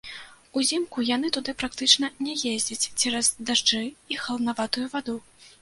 Узімку яны туды практычна не ездзяць цераз дажджы і халаднаватую ваду.